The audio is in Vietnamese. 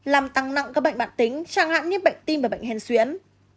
làm tăng nặng các bệnh bản tính chẳng hạn như bệnh tim và bệnh hèn xuyến